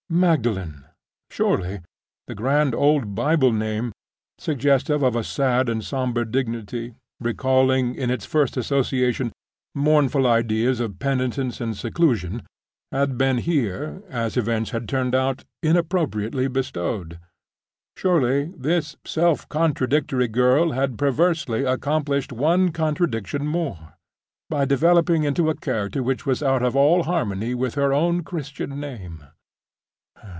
Magdalen! Surely, the grand old Bible name—suggestive of a sad and somber dignity; recalling, in its first association, mournful ideas of penitence and seclusion—had been here, as events had turned out, inappropriately bestowed? Surely, this self contradictory girl had perversely accomplished one contradiction more, by developing into a character which was out of all harmony with her own Christian name!